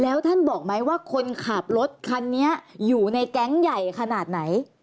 แล้วท่านบอกไหมว่าคนขับรถคันนี้อยู่ในแก๊งใหญ่ขนาดไหน